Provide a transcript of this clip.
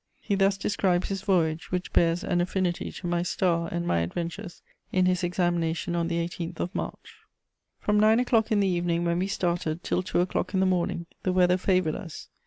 He thus describes his voyage, which bears an affinity to my star and my adventures, in his examination on the 18th of March: "From nine o'clock in the evening, when we started, till two o'clock in the morning, the weather favoured us.